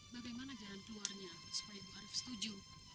bagaimana jalan keluarnya supaya ibu arief setuju